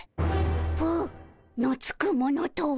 「ぷ」のつくものとは。